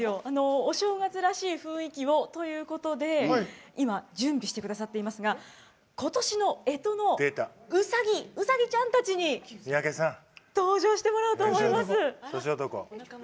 お正月らしい雰囲気をということで今、準備してくださっていますがことしのえとのうさぎちゃんたちに登場してもらおうと思います。